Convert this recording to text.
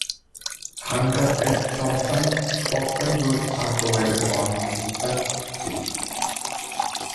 Hunter S. Thompson's spoken words are provided on "Nixon's Spirit".